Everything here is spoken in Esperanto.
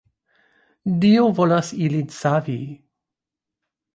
Dio volas ilin savi.